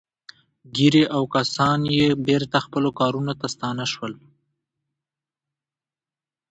ګیري او کسان یې بېرته خپلو کارونو ته ستانه شول